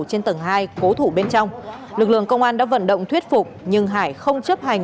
trên tầng hai cố thủ bên trong lực lượng công an đã vận động thuyết phục nhưng hải không chấp hành